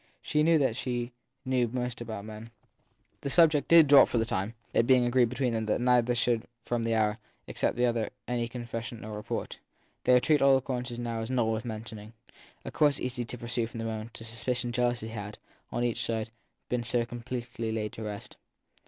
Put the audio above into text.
She knew that she knew most about men. The subject did drop for the time, it being agreed between them that neither should from that hour expect from the other any confession or report. They would treat all occurrences now as not worth mentioning a course easy to pursue from the moment the suspicion of jealousy had, 011 each side, been THE THIRD PERSON 269 so completely laid to rest.